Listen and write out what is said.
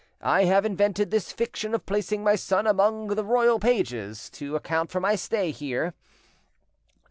I have invented this fiction of placing my son among the, royal pages to account for my stay here.